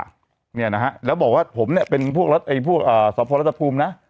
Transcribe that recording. เนี่ยนะฮะแล้วบอกว่าผมเนี่ยเป็นพวกไอ้พวกสพรัฐภูมินะ